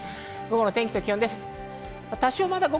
午後の天気と気温です。